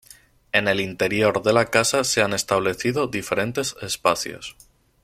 En el interior de la casa se han establecido diferentes espacios.